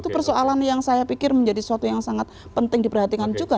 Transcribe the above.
itu persoalan yang saya pikir menjadi suatu yang sangat penting diperhatikan juga